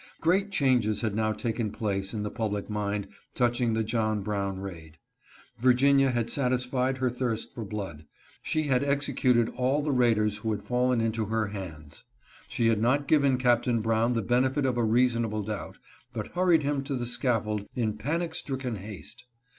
Great changes had now taken place in the public mind touching the John Brown raid. Virginia had satisfied her thirst for blood. She had exe A DRAG NET FOR WITNESSES. 395 cuted all the raiders who had fallen into her hands. She had not given Captain Brown the benefit of a reasonable doubt, but hurried him to the scaffold in panic stricken haste.